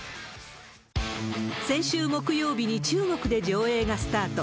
先週木曜日に中国で上映がスタート。